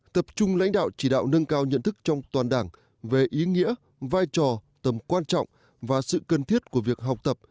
tập trung lãnh đạo chỉ đạo nâng cao nhận thức trong toàn đảng về ý nghĩa vai trò tầm quan trọng và sự cần thiết của việc học tập